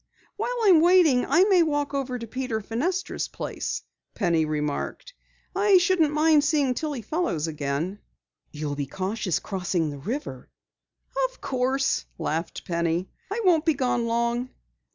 "While I am waiting I may walk over to Peter Fenestra's place," Penny remarked. "I shouldn't mind seeing Tillie Fellows again." "You'll be cautious in crossing the river?" "Of course," laughed Penny. "I won't be gone long."